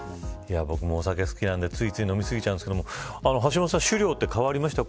僕もお酒好きなんでついつい飲み過ぎちゃうんですけど橋下さん、酒量って変わりました。